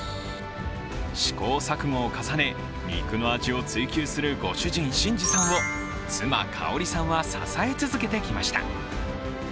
試行錯誤を重ね、肉の味を追求するご主人・新二さんを妻・香さんは支え続けてきました。